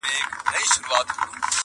• دواړه هيلې او وېره په فضا کي ګډېږي..